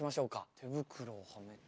手袋をはめて。